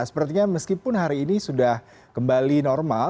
sepertinya meskipun hari ini sudah kembali normal